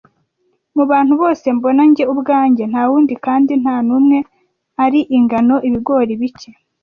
Mu bantu bose mbona njye ubwanjye, ntawundi kandi ntanumwe ari ingano-ibigori bike,